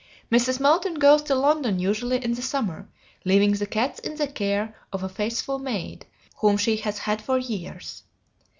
Mrs. Moulton goes to London usually in the summer, leaving the cats in the care of a faithful maid whom she has had for years.